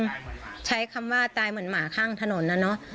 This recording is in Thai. มันใช้คำว่าตายเหมือนหมาข้างถนนนะเนอะ